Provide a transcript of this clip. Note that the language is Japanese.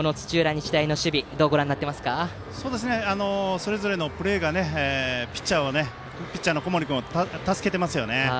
日大の守備どうご覧になっていますか。それぞれのプレーがピッチャーの小森君を助けていますよね。